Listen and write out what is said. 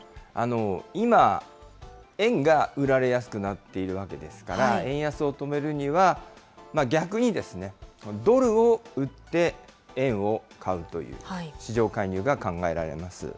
今、円が売られやすくなっているわけですから、円安を止めるには、逆にドルを売って、円を買うという市場介入が考えられます。